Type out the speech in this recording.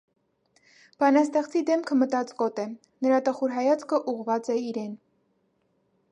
Բանաստեղծի դեմքը մտածկոտ է, նրա տխուր հայացքը ուղղված է իրեն։